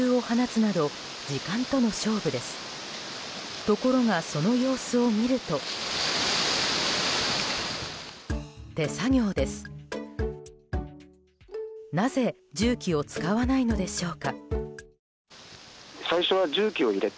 なぜ重機を使わないのでしょうか？